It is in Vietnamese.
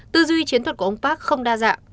tư duy chiến thuật của ông park không đa dạng